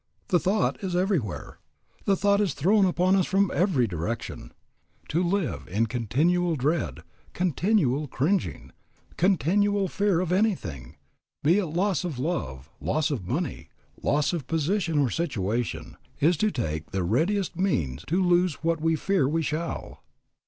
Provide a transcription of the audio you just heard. The thought is everywhere. The thought is thrown upon us from every direction. ... To live in continual dread, continual cringing, continual fear of anything, be it loss of love, loss of money, loss of position or situation, is to take the readiest means to lose what we fear we shall."